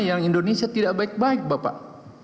yang indonesia tidak baik baik bapak